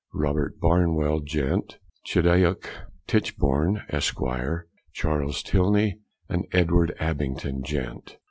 Robert Barnwell, Gent.; Chidiock Titchborne, Esq.; Charles Tilney and Edward Abington, Gent.